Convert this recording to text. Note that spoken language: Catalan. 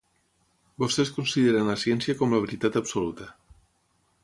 Vostès consideren la ciència com la veritat absoluta.